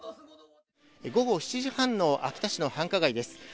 午後７時半の秋田市の繁華街です。